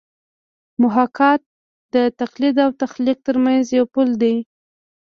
محاکات د تقلید او تخلیق ترمنځ یو پل دی